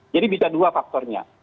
jadi bisa dua faktornya